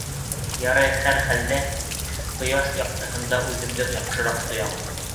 Ярай, һәр хәлдә, ҡояш яҡтыһында үҙемде яҡшыраҡ тоям.